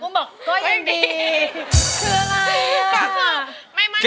คืออะไรอ่ะ